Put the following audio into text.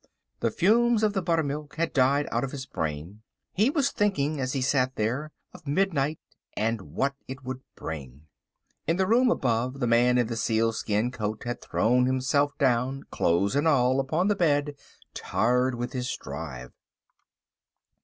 The fumes of the buttermilk had died out of his brain. He was thinking, as he sat there, of midnight and what it would bring. In the room above, the man in the sealskin coat had thrown himself down, clothes and all, upon the bed, tired with his drive.